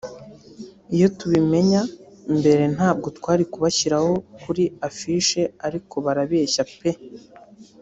iyo tubimenya mbere ntabwo twari kubashyiraho kuri affiche ariko barabeshya pe